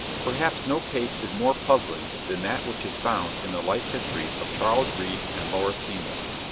Perhaps no case is more puzzling than that which is found in the life history of Charles Reade and Laura Seymour.